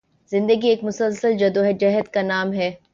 زندگی ایک مسلسل جدوجہد کا نام ہے